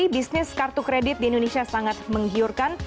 jadi bisnis kartu kredit di indonesia sangat menggiurkan